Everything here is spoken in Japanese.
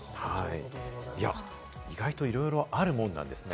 意外といろいろあるもんなんですね。